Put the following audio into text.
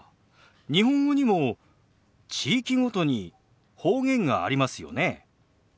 日本語にも地域ごとに方言がありますよね。